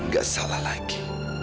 tidak salah lagi